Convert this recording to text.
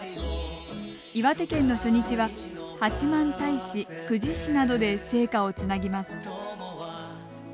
岩手県の初日は八幡平市久慈市などで聖火をつなぎます。